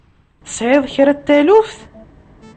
Tesɛiḍ kra n taluft?